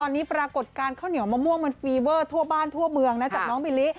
ตอนนี้ปรากฏการณ์ข้าวเหนียวมะม่วงมันฟีเวอร์ทั่วบ้านทั่วเมืองนะจากน้องบิลลิ